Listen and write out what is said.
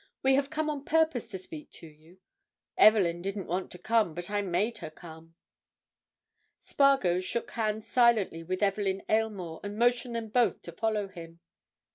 "We have come on purpose to speak to you. Evelyn didn't want to come, but I made her come." Spargo shook hands silently with Evelyn Aylmore and motioned them both to follow him.